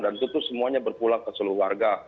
dan itu semuanya berpulang ke seluruh warga